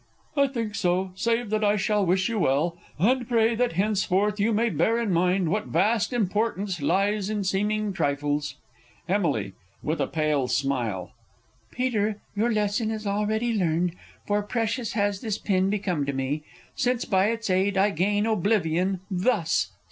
_ I think so save that I shall wish you well, And pray that henceforth you may bear in mind What vast importance lies in seeming trifles. Emily (with a pale smile). Peter, your lesson is already learned, For precious has this pin become for me, Since by its aid I gain oblivion thus!